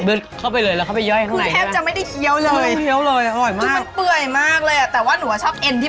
บรึ๊ดเข้าไปเลยแล้วเข้าไปย่อยข้างใน